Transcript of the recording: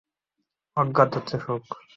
অজ্ঞাত হচ্ছে সুখ।